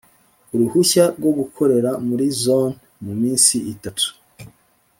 uruhushya rwo gukorera muri zone mu minsi itatu